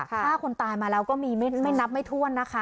ฆ่าคนตายมาแล้วก็มีไม่นับไม่ถ้วนนะคะ